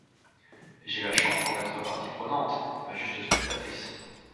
Et j’ai la chance d’en être partie prenante, pas juste spectatrice.